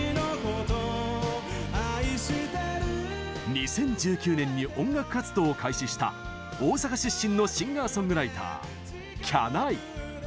２０１９年に音楽活動を開始した大阪出身のシンガーソングライターきゃない。